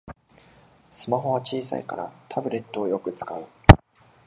スマホは小さいからタブレットをよく使う